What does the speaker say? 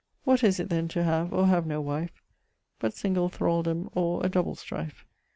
What is it then to have, or have no wife, But single thraldome or a double strife?